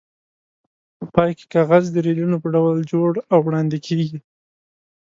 په پای کې کاغذ د ریلونو په ډول جوړ او وړاندې کېږي.